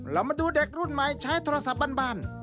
เรามาดูเด็กรุ่นใหม่ใช้โทรศัพท์บ้าน